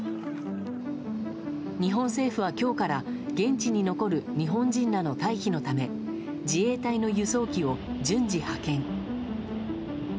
日本政府は今日から現地に残る日本人らの退避のため自衛隊の輸送機を順次派遣。